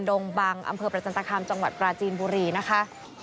ดงบังอำเภอประจันตคามจังหวัดปราจีนบุรีนะคะ